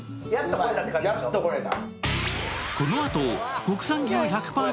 やっと来れた。